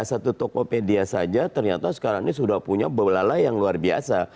satu tokopedia saja ternyata sekarang ini sudah punya belalai yang luar biasa